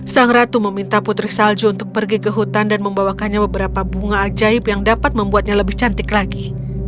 sang ratu meminta putri salju untuk pergi ke hutan dan membawakannya beberapa bunga ajaib yang dapat membuatnya lebih cantik lagi